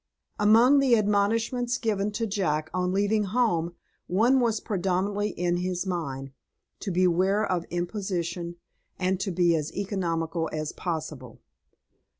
Among the admonitions given to Jack on leaving home, one was prominently in his mind, to beware of imposition, and to be as economical as possible.